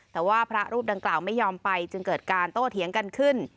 แต่ว่าพระรูปดังกล่าวไม่ยอมไปจึงเกิดการโต้เถียงกันขึ้น